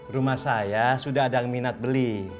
rumah saya sudah ada minat beli